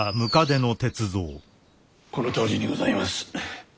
このとおりにございます。